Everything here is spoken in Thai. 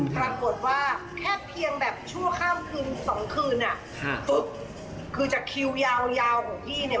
ปรากฏว่าแค่เพียงแบบชั่วข้ามคืน๒คืนคือจากคิวยาวของพี่เนี่ย